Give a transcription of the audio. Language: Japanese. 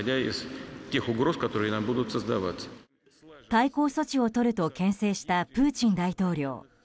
対抗措置をとると牽制したプーチン大統領。